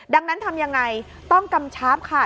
ดังนั้นทำยังไงต้องกำชับค่ะ